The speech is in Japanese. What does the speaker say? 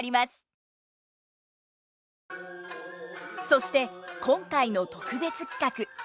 そして今回の特別企画。